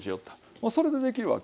もうそれでできるわけ。